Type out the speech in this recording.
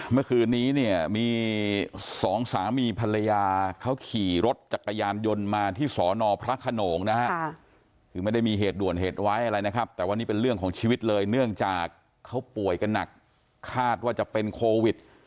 เมื่อคืนนี้เนี่ยมีสองสามีภรรยาเขาขี่รถจักรยานยนต์มาที่สอนอพระขนงนะฮะคือไม่ได้มีเหตุด่วนเหตุร้ายอะไรนะครับแต่ว่านี่เป็นเรื่องของชีวิตเลยเนื่องจากเขาป่วยกันหนักคาดว่าจะเป็นโควิด